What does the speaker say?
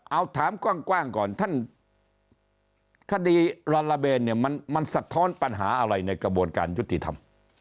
เอาถามกว้างก่อนท่านคดีลาลาเบนเนี่ยมันสะท้อนปัญหาอะไรในกระบวนการยุติธรรม